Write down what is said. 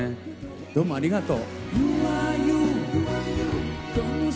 どうもありがとう。